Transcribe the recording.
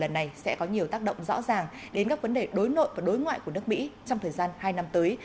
lần này sẽ có nhiều tác động rõ ràng đến các vấn đề đối nội và đối ngoại của nước mỹ trong thời gian hai năm tới